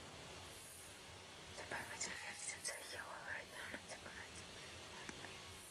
The provincial election that year would return another Kushner to represent Mountain View.